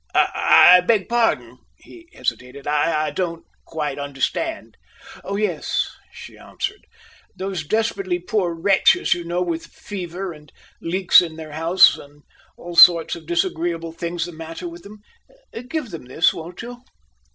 "I beg pardon," he hesitated. "I don't quite understand." "Oh, yes!" she answered. "Those desperately poor wretches, you know, with fever, and leaks in their house, and all sorts of disagreeable things the matter with them. Give them this, won't you?"